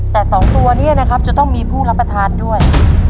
แต่๒ตัวนี้นะครับจะต้องมีผู้รับประทานด้วย